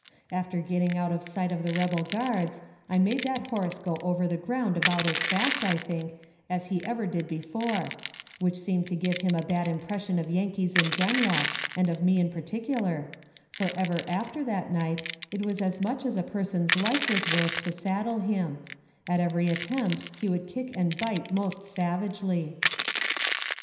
After getting out of sight of the rebel guards, I made that horse go over the ground about as fast, I think, as he ever did before which seemed to give him a bad impression of Yankees in general, and of me in particular, for ever after that night, it was as much as a person's life was worth to saddle him; at every attempt he would kick and bite most savagely.